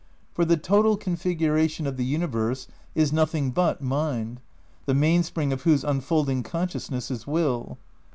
For the total configuration of the universe is nothing but mind, the mainspring of whose unfolding consciousness is will.